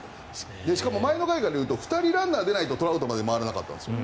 しかも前の回からいうと２人、ランナーが出ないとトラウトまで回らなかったんです